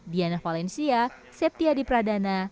diana valencia septia di pradana